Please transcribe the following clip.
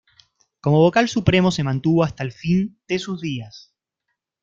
Como vocal supremo se mantuvo hasta el fin de sus días.